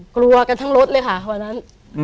กลัวกันทั้งรถเลยค่ะวันนั้น